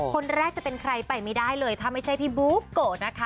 คนแรกจะเป็นใครไปไม่ได้เลยถ้าไม่ใช่พี่บุ๊กโกะนะคะ